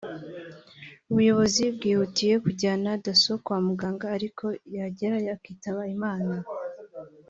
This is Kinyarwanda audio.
ubuyobozi bwihutiye kujyana Dasso kwa muganga ariko yagerayo akitaba Imana